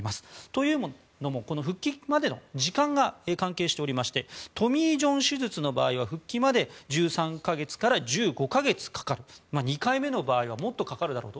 というのもこの復帰までの時間が関係しておりましてトミー・ジョン手術の場合は復帰まで１３か月から１５か月かかる２回目の場合はもっとかかるだろうと。